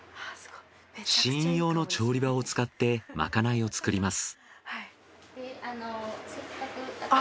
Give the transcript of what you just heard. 試飲用の調理場を使ってまかないを作ります。